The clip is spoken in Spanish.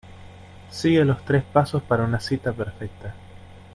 sigue los tres pasos para una cita perfecta.